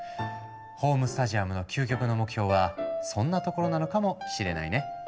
ホームスタジアムの究極の目標はそんなところなのかもしれないね。